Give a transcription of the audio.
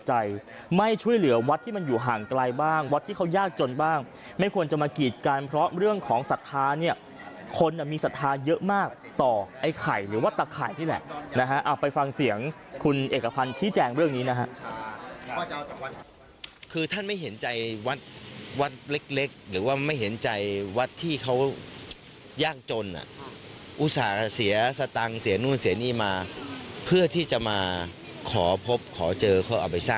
อะไรบ้างวัดที่เขายากจนบ้างไม่ควรจะมากีดกันเพราะเรื่องของสถานเนี่ยคนมีสถานเยอะมากต่อไอ้ไข่หรือวัดตะไข่ที่แหละนะฮะเอาไปฟังเสียงคุณเอกพันธ์ชี้แจงเรื่องนี้นะฮะคือท่านไม่เห็นใจวัดวัดเล็กหรือว่าไม่เห็นใจวัดที่เขายากจนอ่ะอุตส่าห์เสียสตังค์เสียนู่นเสียนี่มาเพื่อที่จะมาขอพบขอเจอเขา